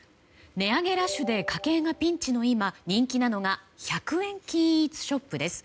値上げラッシュで家計がピンチの今人気なのが１００円均一ショップです。